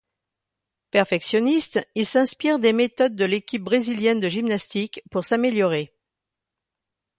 Perfectionniste, il s'inspire des méthodes de l'équipe brésilienne de gymnastique pour s'améliorer.